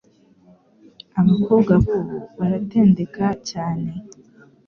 abakobwa b'ubu baratendeka cyane